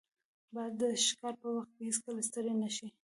باز د ښکار پر وخت هیڅکله ستړی نه شي